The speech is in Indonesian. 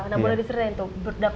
nah boleh diserahin tuh